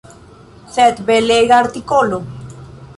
Sed belega artikolo!